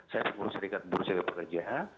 saya pengurus serikat berusaha pekerja